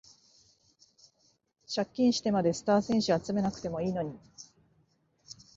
借金してまでスター選手集めなくてもいいのに